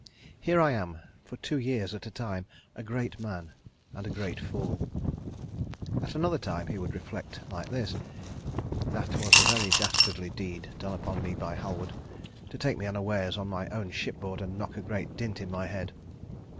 Here I am, for two years at a time, a great man, and a great fool." At another time he would reflect like this: "That was a very dastardly deed done upon me by Halward, to take me unawares on my own shipboard and knock a great dint in my head!"